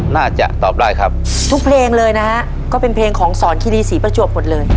น่าจะตอบได้ครับทุกเพลงเลยนะฮะก็เป็นเพลงของสอนคิรีศรีประจวบหมดเลย